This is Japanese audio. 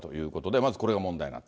まずこれが問題だと。